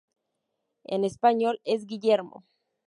En español es Guillermo.